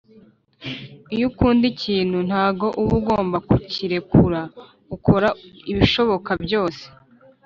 Iyo ukunda ikintu ntago uba ugomba kukirekura ukora ibishoboka byose